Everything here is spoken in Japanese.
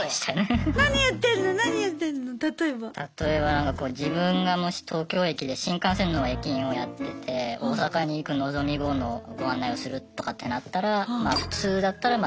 例えばなんかこう自分がもし東京駅で新幹線の駅員をやってて大阪に行くのぞみ号のご案内をするとかってなったらまあ普通だったらまあ